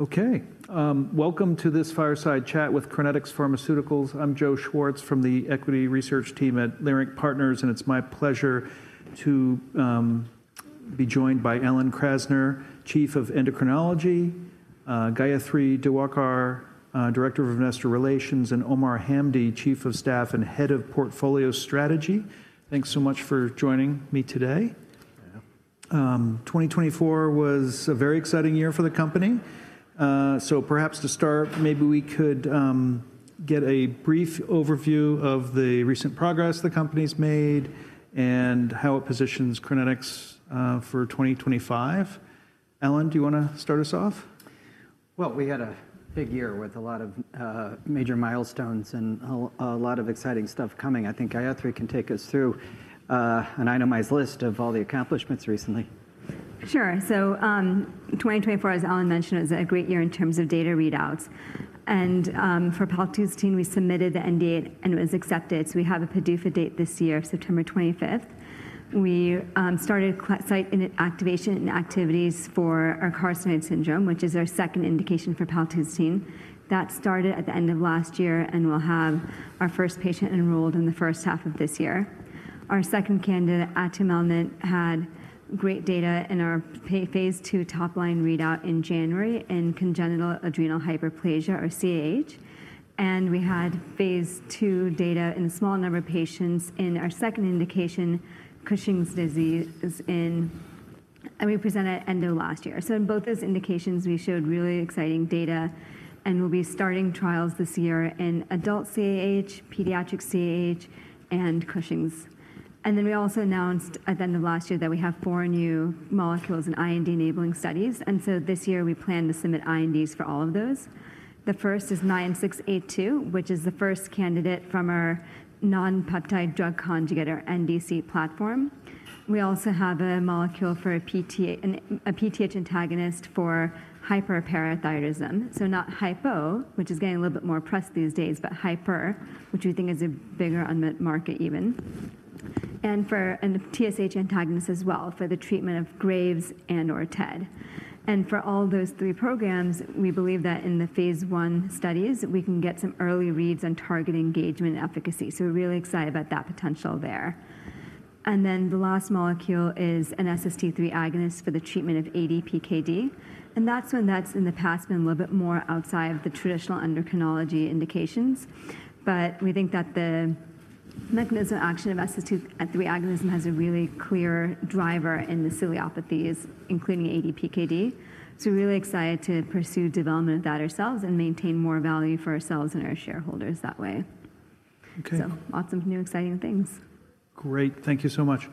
Okay, welcome to this fireside chat with Crinetics Pharmaceuticals. I’m Joseph Schwartz from the equity research team at Leerink Partners, and it’s my pleasure to be joined by Alan Krasner, Chief Medical Officer, Gayathri Diwakar, Vice President of Investor Relations, and Omar Hamdy, Chief of Staff and Head of Portfolio Strategy. Thanks so much for joining me today. 2024 was a very exciting year for the company. To start, perhaps we could get a brief overview of the recent progress the company has made and how it positions Crinetics for 2025. Alan, do you want to start us off? We had a big year, with many major milestones and a lot of exciting developments ahead. I think Gayathri can take us through an itemized list of the company’s recent accomplishments. Sure. 2024, as Alan mentioned, was a great year in terms of data readouts. For Paltusotine, we submitted the NDA and it was accepted. We have a PDUFA date this year, September 25. We started site activation and activities for our carcinoid syndrome, which is our second indication for Paltusotine. That started at the end of last year, and we'll have our first patient enrolled in the first half of this year. Our second candidate, Atumelnant, had great data in our Phase 2 top-line readout in January in congenital adrenal hyperplasia, or CAH. We had Phase 2 data in a small number of patients in our second indication, Cushing's disease, and we presented at the end of last year. In both those indications, we showed really exciting data, and we'll be starting trials this year in adult CAH, pediatric CAH, and Cushing's. We also announced at the end of last year that we have four new molecules in IND-enabling studies. This year we plan to submit INDs for all of those. The first is 9682, which is the first candidate from our non-peptide drug conjugate, NDC, platform. We also have a molecule for a PTH antagonist for hyperparathyroidism. Not hypo, which is getting a little bit more press these days, but hyper, which we think is a bigger unmet market even. For a TSH antagonist as well for the treatment of Graves and/or TED. For all those three programs, we believe that in the Phase 1 studies, we can get some early reads on target engagement efficacy. We are really excited about that potential there. The last molecule is an SST3 agonist for the treatment of ADPKD. That has in the past been a little bit more outside of the traditional endocrinology indications. We think that the mechanism of action of SST3 agonism has a really clear driver in the ciliopathies, including ADPKD. We are really excited to pursue development of that ourselves and maintain more value for our company and our shareholders that way. Lots of new, exciting things. Great. Thank you so much.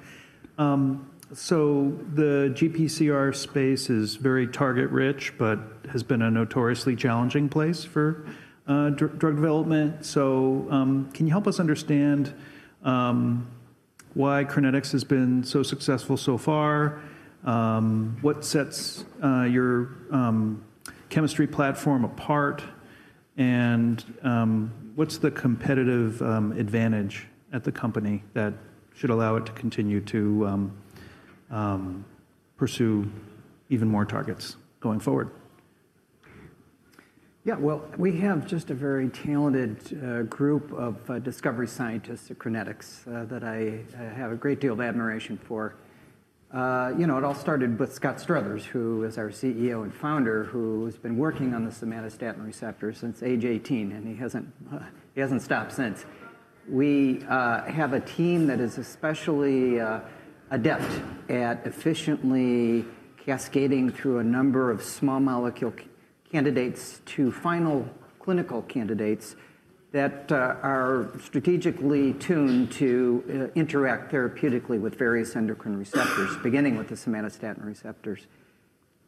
The GPCR space is very target-rich but has been a notoriously challenging place for drug development. Can you help us understand why Crinetics has been so successful so far? What sets your chemistry platform apart? What is the competitive advantage at the company that should allow it to continue pursuing even more targets going forward? Yeah, we have just a very talented group of discovery scientists at Crinetics that I have a great deal of admiration for. You know, it all started with Scott Struthers, who is our CEO and founder, and who has been working on the somatostatin receptor since age 18, and he hasn't stopped since. We have a team that is especially adept at efficiently cascading through a number of small-molecule candidates to final clinical candidates that are strategically tuned to interact therapeutically with various endocrine receptors, beginning with the somatostatin receptors.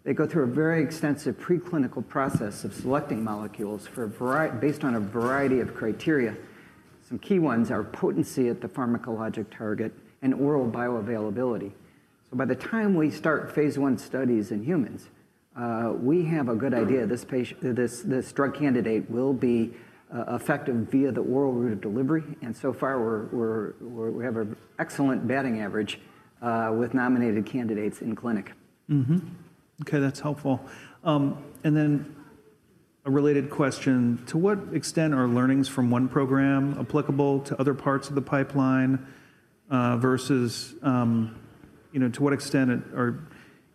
They go through a very extensive preclinical process of selecting molecules based on a variety of criteria. Some key ones are potency at the pharmacologic target and oral bioavailability. By the time we start Phase 1 studies in humans, we have a good idea this drug candidate will be effective via the oral route of delivery. So far, we have an excellent batting average with nominated candidates in clinic. Okay, that's helpful. A related question: to what extent are learnings from one program applicable to other parts of the pipeline, versus the extent to which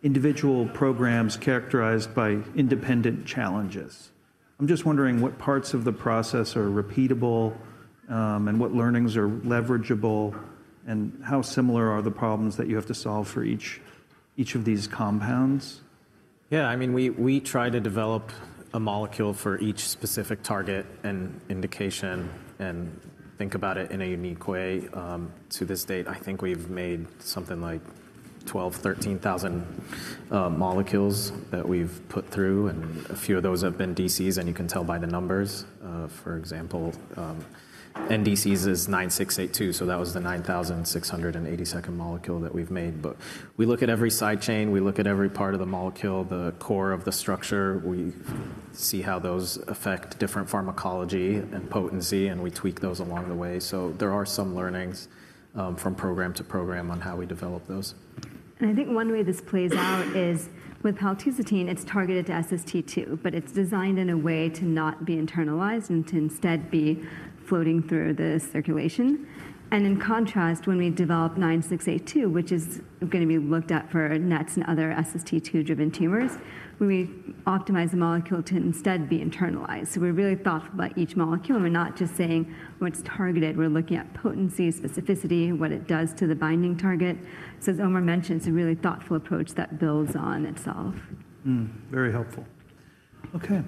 individual programs are characterized by independent challenges? I'm just wondering which parts of the process are repeatable, which learnings are leverageable, and how similar the problems are that you have to solve for each of these compounds. Yeah, I mean, we try to develop a molecule for each specific target and indication and think about it in a unique way. To date, I think we've made something like 12,000–13,000 molecules that we've put through, and a few of those have been NDCs, as you can tell by the numbers. For example, NDC 9682 was the 9,682nd molecule we've made. We look at every side chain and every part of the molecule, including the core of the structure. We examine how those affect pharmacology and potency, and we tweak them along the way. There are learnings from program to program on how we develop these molecules. I think one way this plays out is with Paltusotine: it's targeted to SST2 but designed not to be internalized, instead remaining in circulation. In contrast, when we develop CRN09682, which will be evaluated for NETs and other SST2-driven tumors, we optimize the molecule to be internalized. We're very deliberate with each molecule—not just its target, but also its potency, specificity, and effect on the binding target. As Omar mentioned, it’s a thoughtful approach that builds on itself. Very helpful. Okay,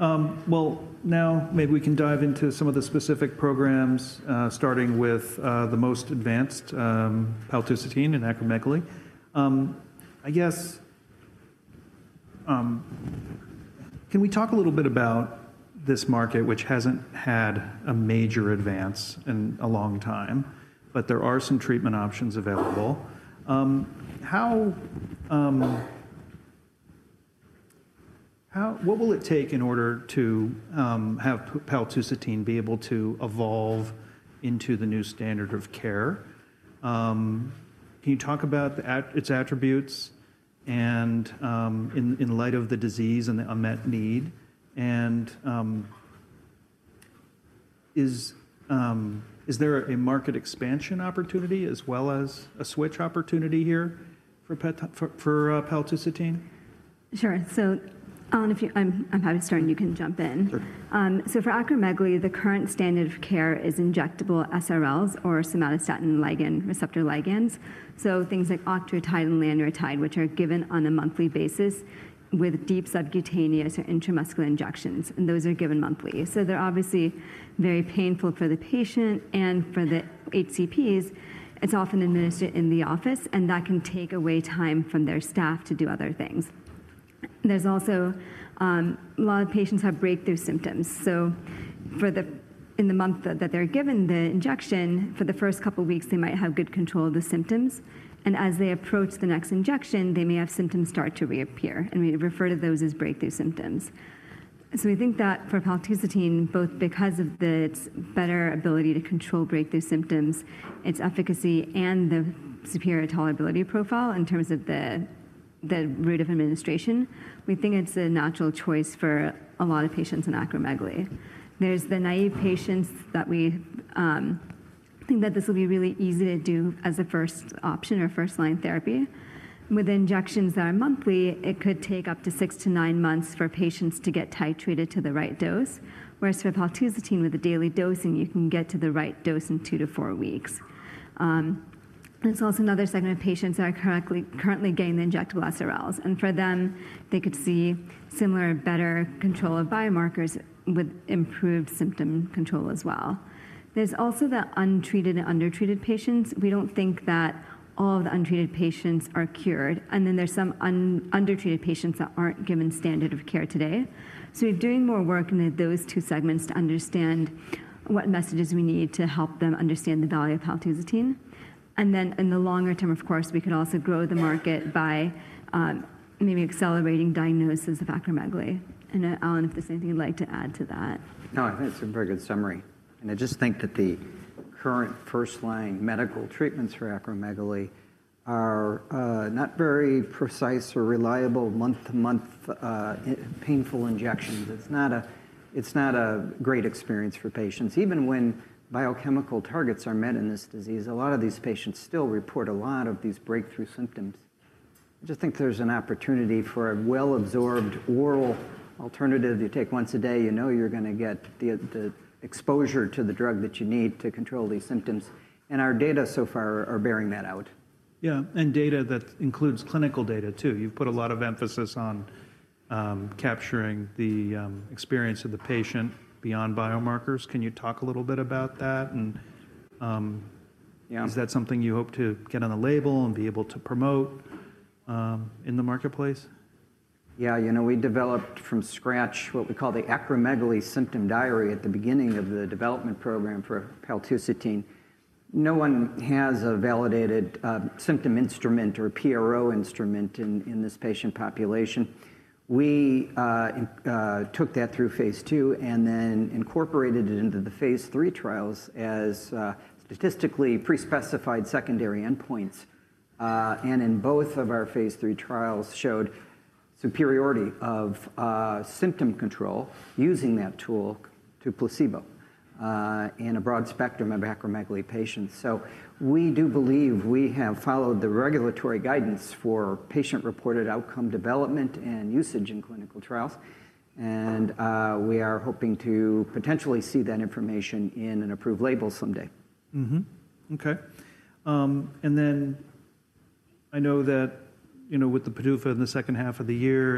now maybe we can dive into some of the specific programs, starting with the most advanced: Paltusotine and acromegaly. Can we talk a little about this market, which hasn’t seen a major advance in a long time, although some treatment options exist? What will it take for Paltusotine to evolve into the new standard of care? Can you discuss its attributes in the context of the disease and the unmet need? Is there potential for market expansion as well as a switch opportunity for Paltusotine? Sure. Alan, if you're happy to start, you can jump in. For acromegaly, the current standard of care is injectable SRLs or somatostatin receptor ligands. Things like octreotide and lanreotide are given via deep subcutaneous or intramuscular injections monthly. They're obviously very painful for the patient and for the HCPs. It's often administered in the office, which can take away staff time from other tasks. There's also a lot of patients who have breakthrough symptoms. In the month that they're given the injection, for the first couple of weeks, they might have good control of the symptoms. As they approach the next injection, they may have symptoms start to reappear, and we refer to those as breakthrough symptoms. We think that for Paltusotine, both because of its better ability to control breakthrough symptoms, its efficacy, and the superior tolerability profile in terms of the route of administration, it is a natural choice for many patients with acromegaly. There are the naïve patients, for whom this could be an easy first-line therapy. With monthly injections, it could take six to nine months for patients to be titrated to the right dose, whereas with Paltusotine daily dosing, the correct dose can be reached in two to four weeks. Another segment of patients currently receiving injectable SRLs could see similar or better control of biomarkers with improved symptom control. This also includes untreated and undertreated patients. We don't think that all untreated patients are cured. Some undertreated patients are not receiving standard of care today. We are doing more work in these two segments to understand what messaging is needed to communicate the value of Paltusotine. In the longer term, we could also grow the market by potentially accelerating the diagnosis of acromegaly. Alan, if you have anything to add to that. No, I think that’s a very good summary. I believe the current first-line medical treatments for acromegaly are not very precise or reliable, relying on month-to-month painful injections. It’s not a great experience for patients. Even when biochemical targets are met, many patients still report breakthrough symptoms. I see an opportunity for a well-absorbed oral alternative. With once-daily dosing, patients can be confident they’re receiving the necessary drug exposure to control symptoms. Our data so far support this approach. Yeah, and that includes clinical data as well. You’ve put a lot of emphasis on capturing the patient experience beyond biomarkers. Can you elaborate on that? Is this something you hope to include on the label and promote in the marketplace? Yeah, we developed from scratch what we call the Acromegaly Symptom Diary at the beginning of the development program for Paltusotine. No validated symptom instrument or PRO instrument existed in this patient population. We took that through Phase 2 and then incorporated it into the Phase 3 trials as statistically pre-specified secondary endpoints. In both Phase 3 trials, we showed superiority of symptom control using that tool versus placebo in a broad spectrum of acromegaly patients. We believe we have followed regulatory guidance for patient-reported outcome development and usage in clinical trials. We hope to potentially see that information included in an approved label someday. Okay, I know that with the PDUFA in the second half of the year,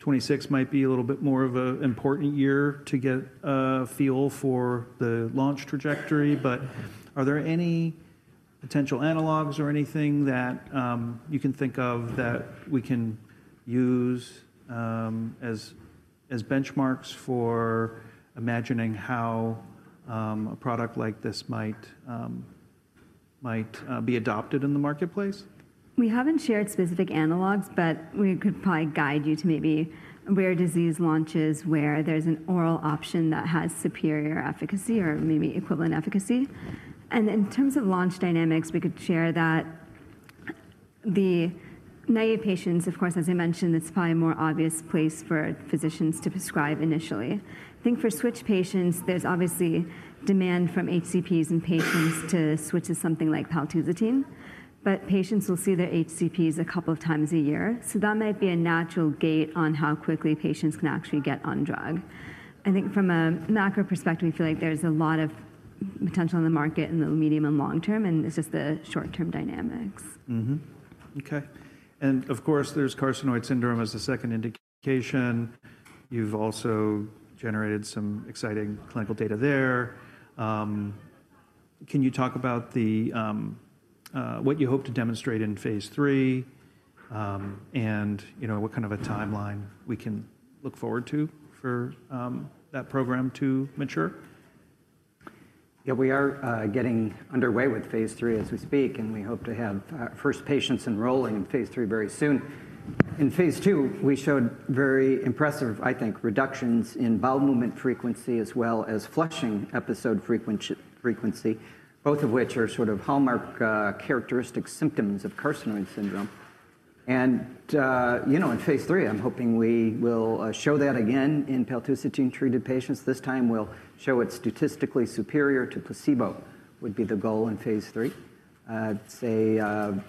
2026 might be a more important year to gauge the launch trajectory. Are there any potential analogs, or anything you can think of, that we could use as benchmarks to imagine how a product like this might be adopted in the marketplace? We haven't shared specific analogs, but we could probably guide you to disease launches where there's an oral option with superior or equivalent efficacy. In terms of launch dynamics, naive patients, as I mentioned, are probably a more obvious place for physicians to prescribe initially. For switch patients, there is clearly demand from HCPs and patients to move to something like Paltusotine. Patients will see their HCPs a couple of times a year, which might naturally limit how quickly they can start the drug. From a macro perspective, we see a lot of potential in the market in the medium and long term; it's mainly the short-term dynamics that differ. Okay. Of course, there's carcinoid syndrome as the second indication. You've also generated some exciting clinical data there. Can you talk about what you hope to demonstrate in Phase 3 and what kind of a timeline we can look forward to for that program to mature? Yeah, we are getting underway with Phase 3 as we speak, and we hope to have the first patients enrolling very soon. In Phase 2, we showed very impressive reductions in bowel movement frequency as well as flushing episode frequency, both of which are hallmark symptoms of carcinoid syndrome. In Phase 3, our goal is to demonstrate that again in Paltusotine-treated patients, this time showing statistical superiority to placebo. It will be a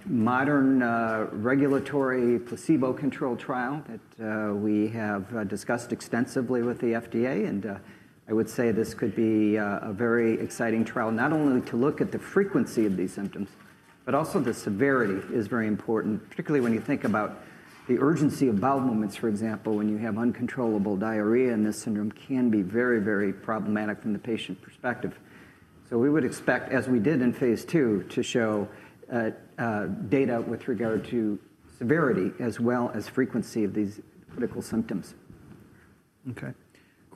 modern, placebo-controlled trial designed in consultation with the FDA. I would say this could be a very exciting trial, not only to look at the frequency of these symptoms, but also the severity is very important, particularly when you think about the urgency of bowel movements, for example, when you have uncontrollable diarrhea, and this syndrome can be very, very problematic from the patient perspective. We would expect, as we did in Phase 2, to show data with regard to severity as well as frequency of these critical symptoms. Okay,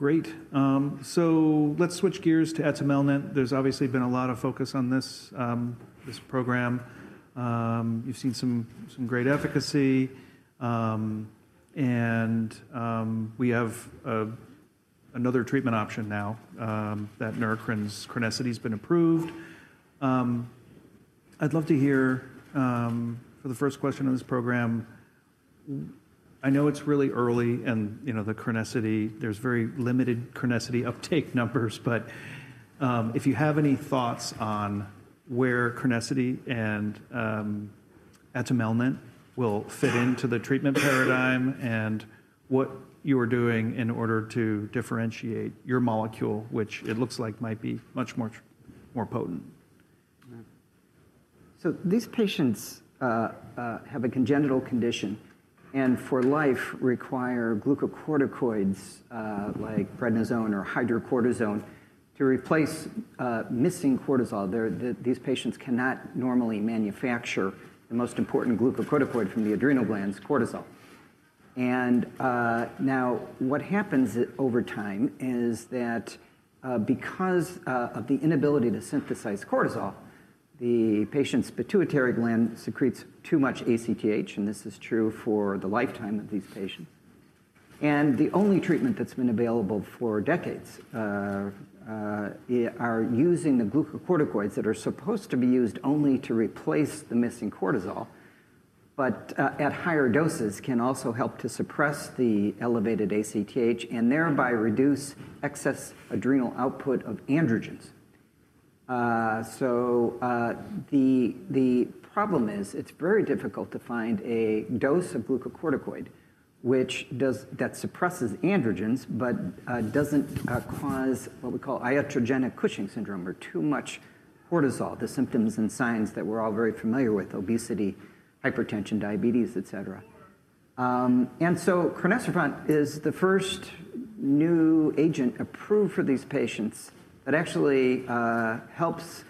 great. Let's switch gears to Atumelnant. There's obviously been a lot of focus on this program. You've seen some great efficacy. We have another treatment option now that Neurocrine's Crinecerfont has been approved. I'd love to hear for the first question on this program. I know it's really early and the Crinecerfont, there's very limited Crinecerfont uptake numbers, but if you have any thoughts on where Crinecerfont and Atumelnant will fit into the treatment paradigm and what you are doing in order to differentiate your molecule, which it looks like might be much more potent. These patients have a congenital condition and for life require glucocorticoids like prednisone or hydrocortisone to replace missing cortisol. These patients cannot normally manufacture the most important glucocorticoid from the adrenal glands, cortisol. What happens over time is that because of the inability to synthesize cortisol, the patient's pituitary gland secretes too much ACTH, and this is true for the lifetime of these patients. The only treatment that's been available for decades is using the glucocorticoids that are supposed to be used only to replace the missing cortisol, but at higher doses can also help to suppress the elevated ACTH and thereby reduce excess adrenal output of androgens. The problem is it's very difficult to find a dose of glucocorticoid that suppresses androgens, but doesn't cause what we call iatrogenic Cushing's syndrome or too much cortisol—the symptoms and signs that we're all very familiar with: obesity, hypertension, diabetes, et cetera. Crinecerfont is the first new agent approved for these patients that actually helps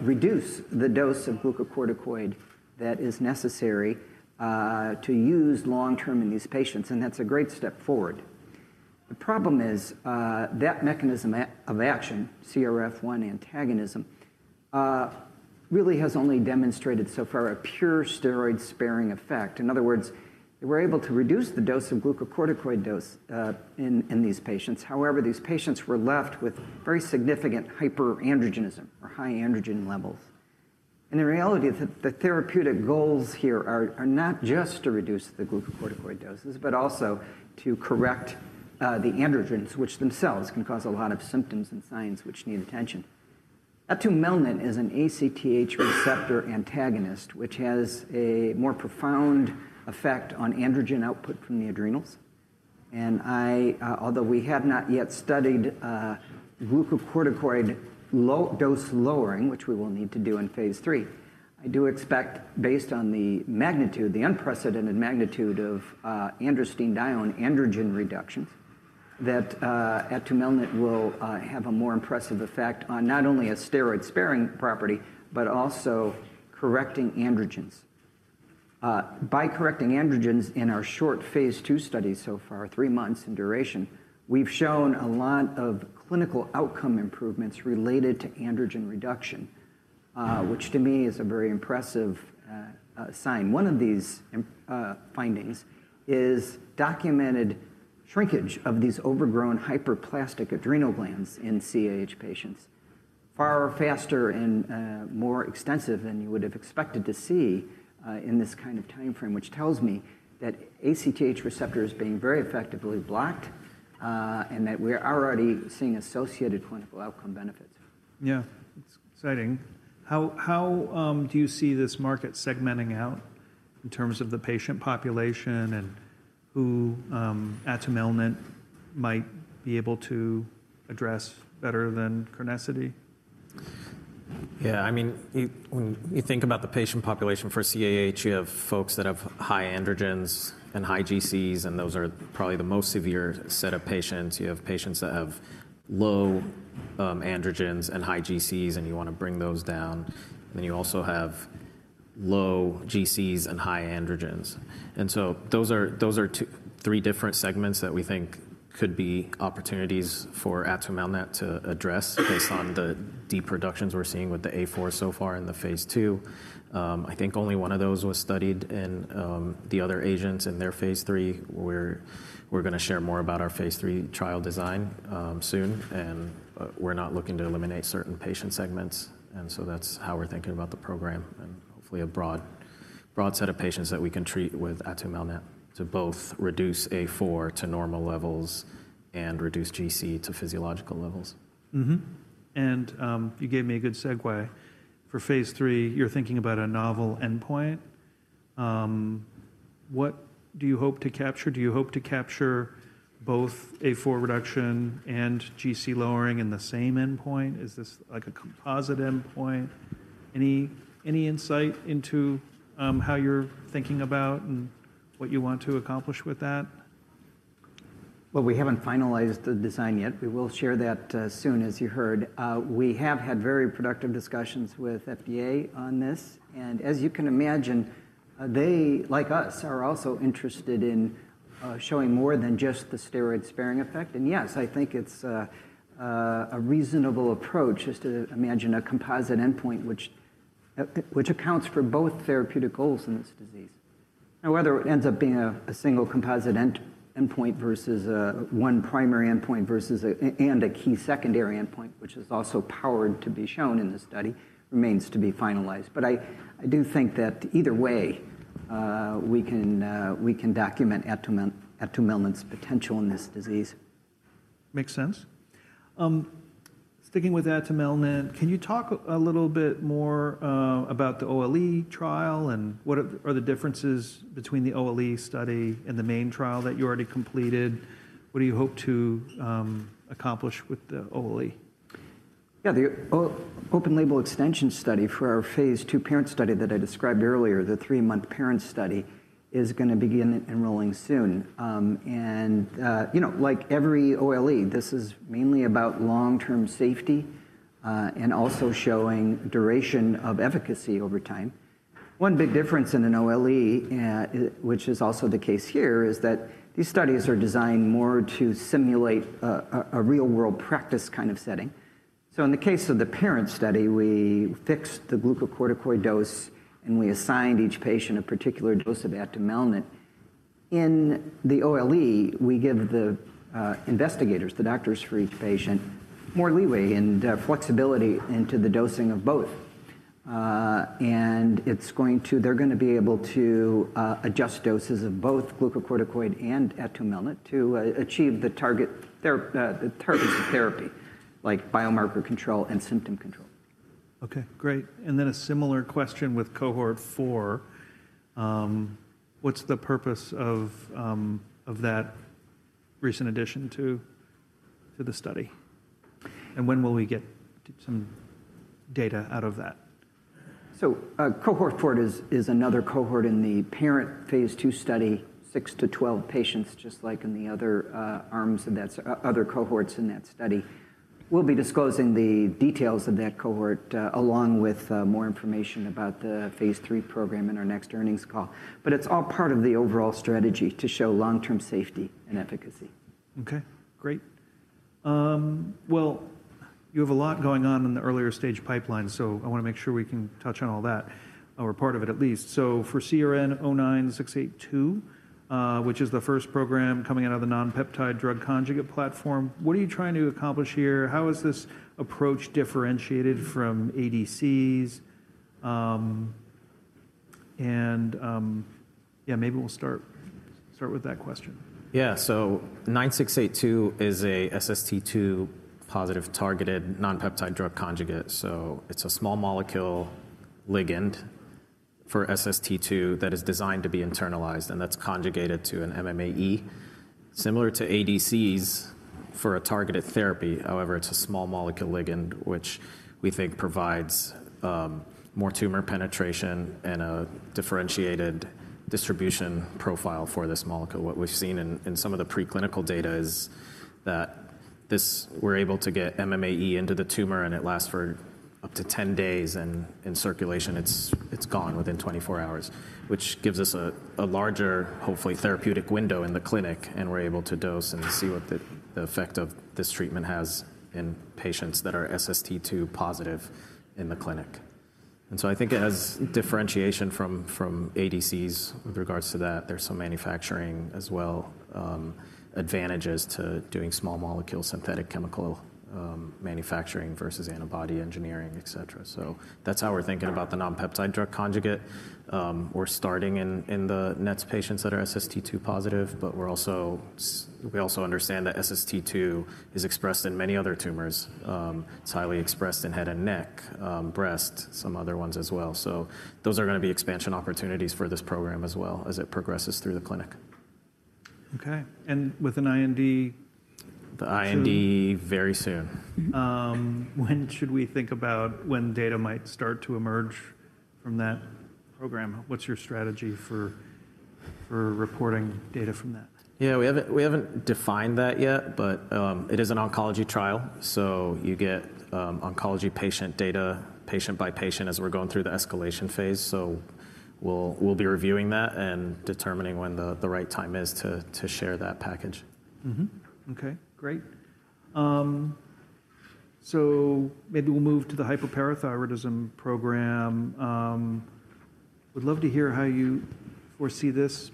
reduce the dose of glucocorticoid necessary for long-term use in these patients. That's a great step forward. The problem is that mechanism of action, CRF1 antagonism, has really only demonstrated a pure steroid-sparing effect so far. In other words, they were able to reduce the glucocorticoid dose, but these patients were left with very significant hyperandrogenism, or high androgen levels. n reality, the therapeutic goals here are not just to reduce glucocorticoid doses, but also to correct androgens, which themselves can cause many symptoms and signs that need attention. Atumelnant is an ACTH receptor antagonist, which has a more profound effect on androgen output from the adrenals. Although we have not yet studied glucocorticoid dose lowering, which we will need to do in Phase 3, I expect based on the unprecedented magnitude of androstenedione reductions that Atumelnant will have a more impressive effect not only on steroid-sparing but also on androgen correction. By correcting androgens in our short Phase 2 studies, three months in duration, we have already shown many clinical outcome improvements related to androgen reduction, which is a very impressive sign. One of these findings is the documented shrinkage of overgrown hyperplastic adrenal glands in CAH patients, occurring far faster and more extensively than expected in this timeframe. This indicates that ACTH receptors are being effectively blocked and that we are already observing associated clinical outcome benefits. Yeah, it's exciting. How do you see this market segmenting in terms of the patient population, and which patients might Atumelnant address better than Crinecerfont? Yeah, I mean, when you think about the patient population for CAH, you have patients with high androgens and high glucocorticoids GCs, and those are probably the most severe. You have patients with low androgens and high GCs, where you want to bring those levels down. You also have patients with low GCs and high androgens. These are three different segments that we think Atumelnant could address based on the reductions we’re seeing in androstenedione A4 so far in Phase 2. I think only one of those segments was studied in other agents’ Phase 3 trials. We will share more about our Phase 3 trial design soon, and we are not looking to exclude any patient segments. That is how we're thinking about the program and hopefully a broad set of patients that we can treat with Atumelnant to both reduce A4 to normal levels and reduce GC to physiological levels. You gave me a good segue. For Phase 3, you're thinking about a novel endpoint. What do you hope to capture? Do you hope to capture both A4 reduction and GC lowering in the same endpoint? Is this like a composite endpoint? Any insight into how you're thinking about and what you want to accomplish with that? We have not finalized the design yet, but we will share that soon. We’ve had very productive discussions with the FDA on this. As you can imagine, they, like us, are interested in showing more than just the steroid-sparing effect. It is reasonable to consider a composite endpoint that accounts for both therapeutic goals in this disease. Whether it ends up as a single composite endpoint or one primary endpoint with a powered key secondary endpoint remains to be finalized. Either way, we believe we can demonstrate Atumelnant’s potential in this disease. Makes sense. Sticking with Atumelnant, can you talk a little bit more about the OLE trial and what are the differences between the OLE study and the main trial that you already completed? What do you hope to accomplish with the OLE? Yeah, the open-label extension (OLE) study for our Phase 2 parent study that I described earlier, the three-month parent study, is going to begin enrolling soon. Like every OLE, this is mainly about long-term safety and also showing duration of efficacy over time. One big difference in an OLE, which is also the case here, is that these studies are designed more to simulate a real-world practice kind of setting. In the parent study, we fixed the glucocorticoid dose and assigned each patient a particular dose of Atumelnant. In the OLE, we give the investigators doctors for each patient more leeway and flexibility in dosing both. They’ll be able to adjust doses of both glucocorticoid and Atumelnant to achieve the targets of therapy, like biomarker control and symptom control. Okay, great. A similar question with cohort four. What's the purpose of that recent addition to the study? When will we get some data out of that? Cohort four is another cohort in the parent Phase 2 study, six to twelve patients, just like in the other arms of that study. We'll be disclosing the details of that cohort along with more information about the Phase 3 program in our next earnings call. It's all part of the overall strategy to show long-term safety and efficacy. Okay, great. You have a lot going on in the earlier-stage pipeline, so I want to make sure we can touch on all that or part of it at least. For CRN09682, which is the first program coming out of the non-peptide drug conjugate platform, what are you trying to accomplish here? How is this approach differentiated from ADCs? Yeah, maybe we'll start with that question. Yeah, so 9682 is an SST2-positive targeted non-peptide drug conjugate. It is a small molecule ligand for SST2 that is designed to be internalized, and that is conjugated to an MMAE, similar to ADCs for a targeted therapy. However, it is a small molecule ligand, which we think provides more tumor penetration and a differentiated distribution profile for this molecule. What we have seen in some of the preclinical data is that we are able to get MMAE into the tumor, and it lasts for up to 10 days and in circulation, it is gone within 24 hours, which gives us a larger, hopefully, therapeutic window in the clinic, and we are able to dose and see what the effect of this treatment has in patients that are SST2 positive in the clinic. I think it has differentiation from ADCs with regards to that.t. There's some manufacturing as well, advantages to doing small molecule synthetic chemical manufacturing versus antibody engineering, et cetera. That's how we're thinking about the non-peptide drug conjugate. We're starting in the NETs patients that are SST2 positive, but we also understand that SST2 is expressed in many other tumors. It's highly expressed in head and neck, breast, some other ones as well. Those are going to be expansion opportunities for this program as well as it progresses through the clinic. Okay, and with an IND? The IND very soon. When should we think about when data might start to emerge from that program? What's your strategy for reporting data from that? Yeah, we haven't defined that yet, but it is an oncology trial. You get oncology patient data, patient by patient as we're going through the escalation Phase. We'll be reviewing that and determining when the right time is to share that package. Okay, great. Maybe we'll move to the hyperparathyroidism program. Would love to hear how you foresee this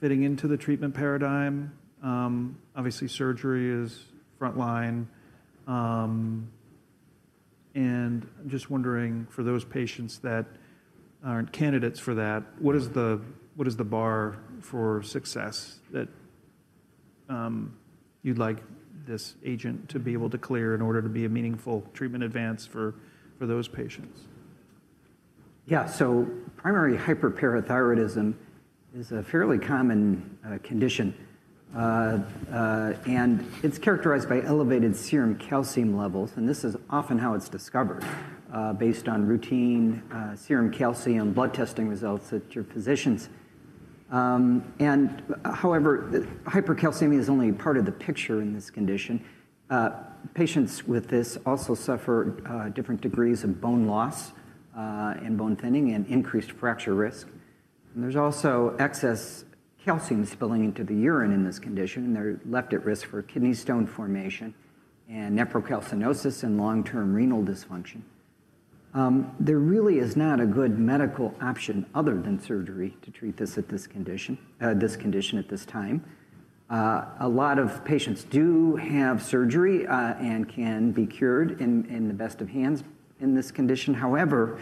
fitting into the treatment paradigm. Obviously, surgery is frontline. I'm just wondering for those patients that aren't candidates for that, what is the bar for success that you'd like this agent to be able to clear in order to be a meaningful treatment advance for those patients? Yeah, primary hyperparathyroidism is a fairly common condition. It is characterized by elevated serum calcium levels. This is often how it is discovered, based on routine serum calcium blood testing results that your physicians order. However, hypercalcemia is only part of the picture in this condition. Patients with this also suffer different degrees of bone loss and bone thinning and increased fracture risk. There is also excess calcium spilling into the urine in this condition, and they are left at risk for kidney stone formation and nephrocalcinosis and long-term renal dysfunction. There really is not a good medical option other than surgery to treat this condition at this time. A lot of patients do have surgery and can be cured in the best of hands in this condition. However,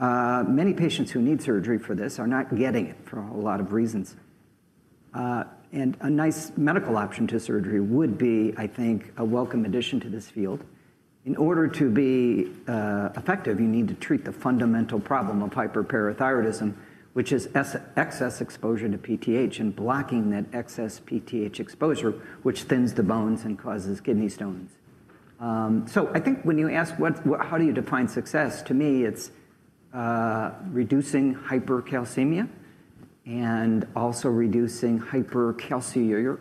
many patients who need surgery for this are not getting it for a lot of reasons. A nice medical option to surgery would be, I think, a welcome addition to this field. In order to be effective, you need to treat the fundamental problem of hyperparathyroidism, which is excess exposure to PTH and blocking that excess PTH exposure, which thins the bones and causes kidney stones. I think when you ask how do you define success, to me, it's reducing hypercalcemia and also reducing hypercalciuria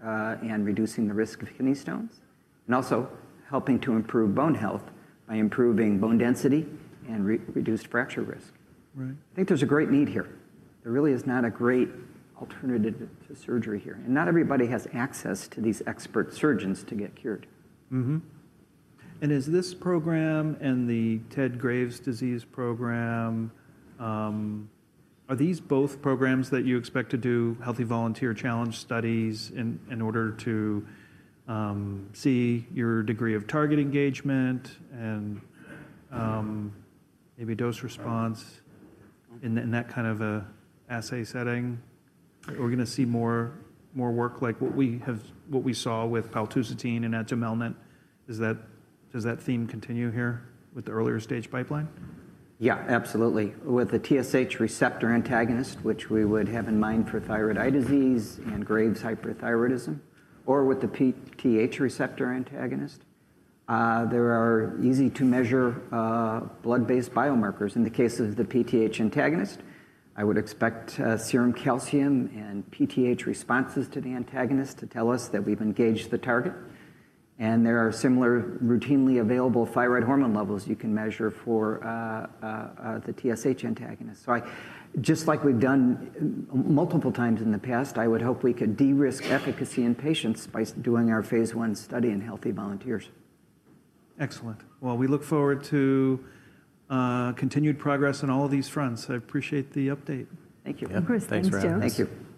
and reducing the risk of kidney stones and also helping to improve bone health by improving bone density and reduced fracture risk. I think there's a great need here. There really is not a great alternative to surgery here. Not everybody has access to these expert surgeons to get cured. Are both this program and the TED/Graves’ disease program expected to include healthy volunteer challenge studies to assess target engagement and dose response in that kind of assay setting? Will we see more work similar to what we did with Paltusotine and Atumelnant? Does this approach continue across the earlier-stage pipeline? Absolutely. With the TSH receptor antagonist, which we have in mind for thyroid eye disease and Graves hyperthyroidism, or with the PTH receptor antagonist, there are easy-to-measure blood-based biomarkers. For the PTH antagonist, I would expect serum calcium and PTH responses to indicate target engagement. Similarly, routinely available thyroid hormone levels can be measured for the TSH antagonist. As we’ve done multiple times in the past, we hope to de-risk efficacy in patients by conducting our Phase 1 study in healthy volunteers. Excellent. We look forward to continued progress on all of these fronts. I appreciate the update. Thank you. Of course. Thanks, Joe. Thank you.